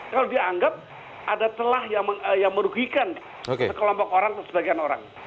kalau dianggap ada telah yang merugikan sekelompok orang atau sebagian orang